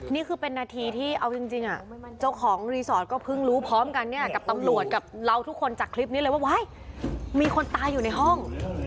นี่คือเป็นนาทีที่เอาจริงเจ้าของรีสอร์ทก็เพิ่งรู้พร้อมกันเนี่ยกับตำรวจกับเราทุกคนจากคลิปนี้เลยว่าว้ายมีคนตายอยู่ในห้อง